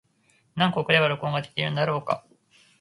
何個送れば録音ができるんだろうか。